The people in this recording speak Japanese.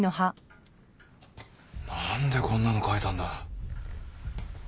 何でこんなの描いたんだ。